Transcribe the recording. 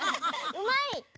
うまい！